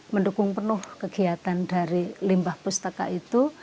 mendukung penuh kegiatan dari limbah pustaka itu